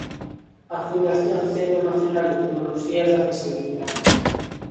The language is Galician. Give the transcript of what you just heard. A Fundación Centro Nacional de Tecnoloxías da Accesibilidade.